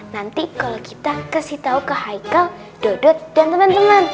nanti kalau kita kasih tau ke haikal dodot dan temen temen